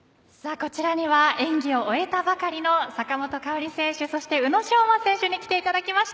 こちらには演技を終えたばかりの坂本花織選手、そして宇野昌磨選手に来ていただきました。